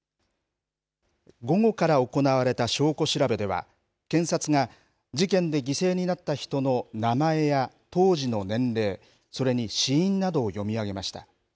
午後から行われた証拠調べでは、検察が、事件で犠牲になった人の名前や当時の年齢、それに死因などを読み上げました。